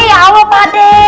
eh ya allah pak de